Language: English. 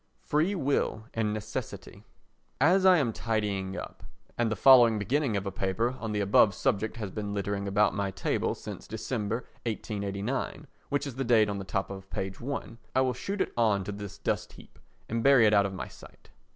Free Will and Necessity As I am tidying up, and the following beginning of a paper on the above subject has been littering about my table since December 1889, which is the date on the top of page i, I will shoot it on to this dust heap and bury it out of my sight.